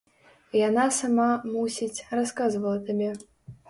Яна сама, мусіць, расказвала табе.